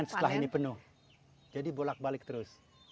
setelah ini penuh jadi bolak balik terus